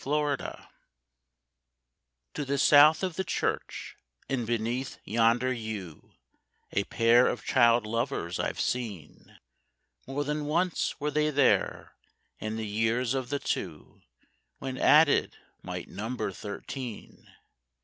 A WISH To the south of the church, and beneath yonder yew, A pair of child lovers I've seen, More than once were they there, and the years of the two, When added, might number thirteen.